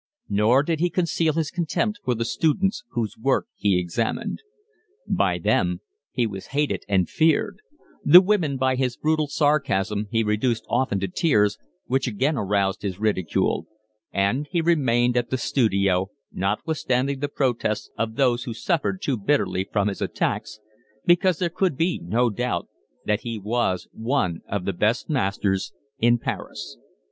Nor did he conceal his contempt for the students whose work he examined. By them he was hated and feared; the women by his brutal sarcasm he reduced often to tears, which again aroused his ridicule; and he remained at the studio, notwithstanding the protests of those who suffered too bitterly from his attacks, because there could be no doubt that he was one of the best masters in Paris.